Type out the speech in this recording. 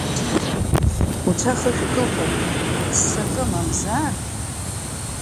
Уца ахышә укылԥаны, уццакы, мамзар…